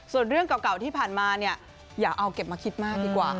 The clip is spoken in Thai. ส่วนเรื่องเก่าที่ผ่านมาเนี่ยอย่าเอาเก็บมาคิดมากดีกว่า